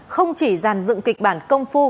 không chỉ dàn dựng kịch bản công phu